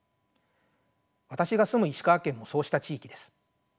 私が住む石川県もそうした地域です。